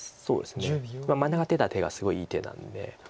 真ん中出た手がすごいいい手なんで。